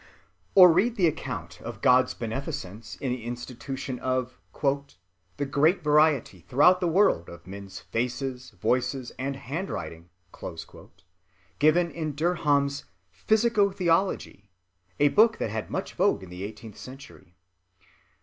Or read the account of God's beneficence in the institution of "the great variety throughout the world of men's faces, voices, and handwriting," given in Derham's Physico‐theology, a book that had much vogue in the eighteenth century.